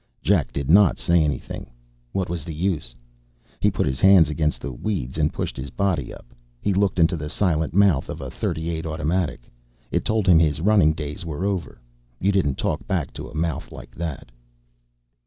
Jack did not say anything. What was the use? He put his hands against the weeds and pushed his body up. He looked into the silent mouth of a .38 automatic. It told him his running days were over. You didn't talk back to a mouth like that.